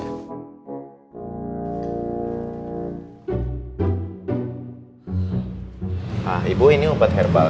nah ibu ini obat herbal